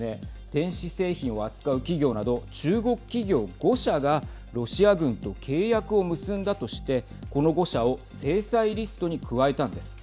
電子製品を扱う企業など中国企業５社がロシア軍と契約を結んだとしてこの５社を制裁リストに加えたんです。